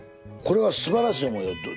これはすばらしい思うよ。